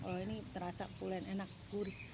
kalau ini terasa pulen enak gurih